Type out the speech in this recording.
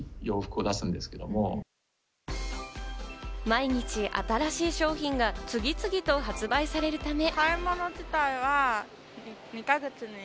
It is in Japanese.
毎日、新しい商品が次々と発売されるため。